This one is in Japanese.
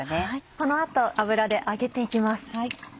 この後油で揚げて行きます。